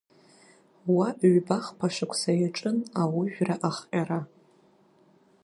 Уа ҩба-хԥа шықәса иаҿын аужәра ахҟьара.